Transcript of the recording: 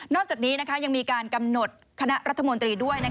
อกจากนี้ยังมีการกำหนดคณะรัฐมนตรีด้วย